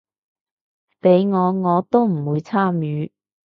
畀我我都唔參與